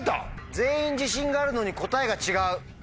全員自信があるのに答えが違う。